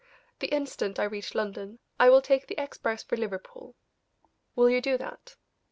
The instant I reach London, I will take the express for Liverpool. Will you do that?"